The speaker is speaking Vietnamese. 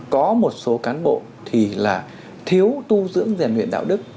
có một số cán bộ thì là thiếu tu dưỡng rèn luyện đạo đức